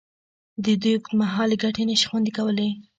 د دوی اوږدمهالې ګټې نشي خوندي کولې.